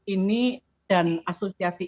ini dan asosiasi